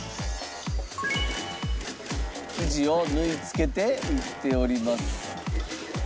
生地を縫い付けていっております。